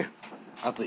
熱い？